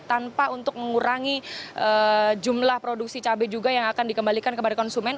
tanpa untuk mengurangi jumlah produksi cabai juga yang akan dikembalikan kepada konsumen